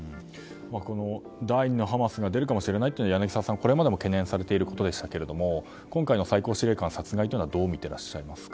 この第２のハマスが出るかもしれないというのは柳澤さん、これまでも懸念されていることでしたけども今回の最高司令官殺害というのはどう見ていらっしゃいますか。